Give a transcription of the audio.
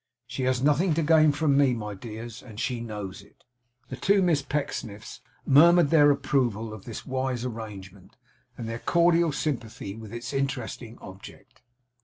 She has nothing to gain from me, my dears, and she knows it.' The two Miss Pecksniffs murmured their approval of this wise arrangement, and their cordial sympathy with its interesting object.